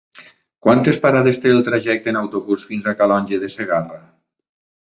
Quantes parades té el trajecte en autobús fins a Calonge de Segarra?